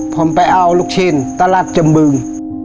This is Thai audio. ผมไปเอาลูกชิ้นตลาดจมบึง